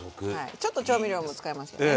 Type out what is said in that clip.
ちょっと調味料も使いますけどね。